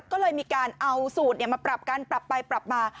ก็เลยมีการเอาสูตรมาปรับกันปรับไปปรับมา